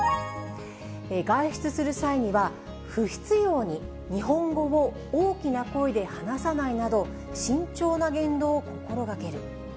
外出する際には、不必要に日本語を大きな声で話さないなど、慎重な言動を心がける。